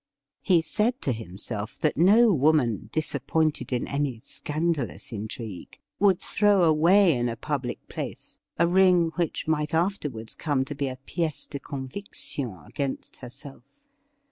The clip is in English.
He said to himself that no woman, disappointed in any scandalous intrigue, would throw away in a public place a ring which might afterwards come to be a piece de convic tion against herself.